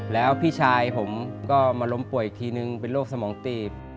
แล้วพี่ชายผมก็มาล้มป่วยอีกทีนึงเป็นโรคสมองตีบ